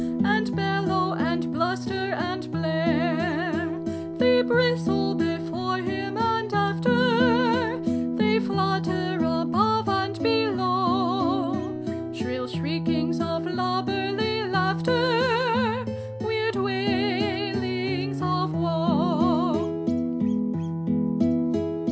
And bellow, and bluster, and blare. They bristle before him and after, They flutter above and below, Shrill shriekings of lubberly laughter, Weird wailings of woe